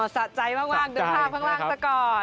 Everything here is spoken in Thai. อ๋อสะใจมากดุงภาพข้างล่างจะก่อน